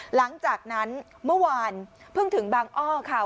หลังจากนั้นเมื่อวานเพิ่งถึงบางอ้อค่ะ